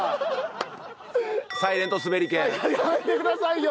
やめてくださいよ！